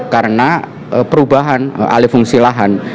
karena perubahan alih fungsi lahan